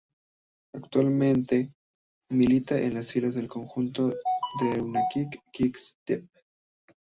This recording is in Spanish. Actualmente milita en las filas del conjunto Deceuninck-Quick Step.